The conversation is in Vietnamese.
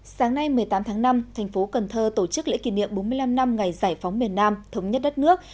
sáng nay một mươi tám tháng năm thành phố cần thơ tổ chức lễ kỷ niệm bốn mươi năm năm ngày giải phóng miền nam thống nhất đất nước